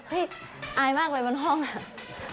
อายมากเลยบนห้องอ่ะ